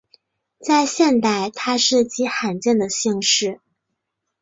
在现代它是极罕见的姓氏。